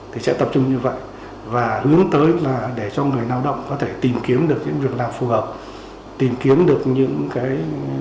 thì sẽ tập trung như vậy và hướng tới là để cho người lao động có thể tìm kiếm được những việc làm phù hợp tìm kiếm được những cái